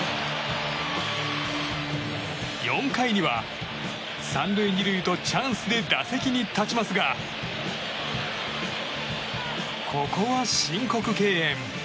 ４回には、３塁２塁とチャンスで打席に立ちますがここは申告敬遠。